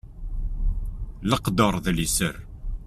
Leqder d liser.